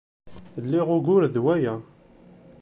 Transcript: Liɣ ugur deg waya.